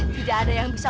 tidak ada yang bisa